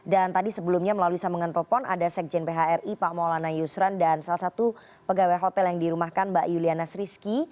dan tadi sebelumnya melalui samengen telepon ada sekjen phri pak maulana yusran dan salah satu pegawai hotel yang dirumahkan mbak yuliana srisky